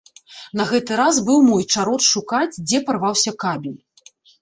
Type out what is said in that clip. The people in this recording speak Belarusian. На гэты раз быў мой чарод шукаць, дзе парваўся кабель.